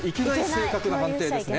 正確な判定ですね。